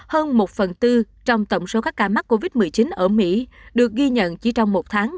hơn một phần tư trong tổng số các ca mắc covid một mươi chín ở mỹ được ghi nhận chỉ trong một tháng